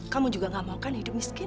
kamu juga gak mau kan hidup miskin